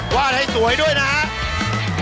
วาดให้สวยด้วยนะครับ